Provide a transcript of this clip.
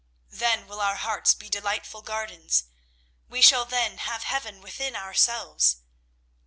Then will our hearts be delightful gardens. We shall then have heaven within ourselves."